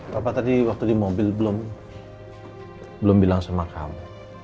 bapak tadi waktu di mobil belum bilang sama kamu